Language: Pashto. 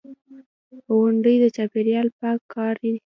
غونډې، د چاپېریال پاک کاري.